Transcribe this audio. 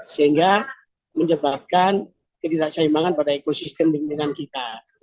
sehingga menyebabkan ketidakseimbangan pada ekosistem lingkungan kita